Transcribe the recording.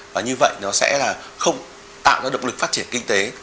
và như vậy nó sẽ là không tạo ra động lực phát triển kinh tế